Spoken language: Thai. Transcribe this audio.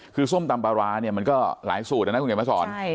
คือส้มตำปลาร้าเนี่ยมันก็หลายสูตรนะนะคุณเขียนมาสอน